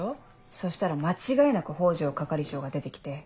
そしたら間違いなく北条係長が出て来て。